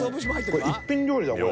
これ一品料理だこれ。